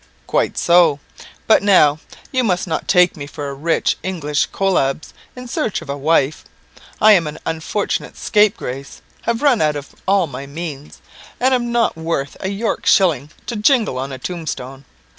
"Quite so. But, now, you must not take me for a rich English Coelebs in search of a wife. I am an unfortunate scapegrace, have run out all my means, and am not worth a York shilling to jingle on a tombstone.